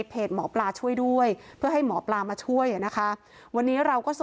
เธอกินไปด้วยรำไปด้วยพูดคนเดี๋ยว